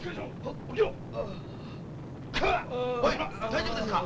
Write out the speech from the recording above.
大丈夫ですか？